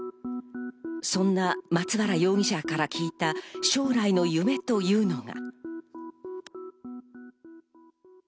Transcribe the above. そんな松原容疑者から聞いた将来の夢というのが。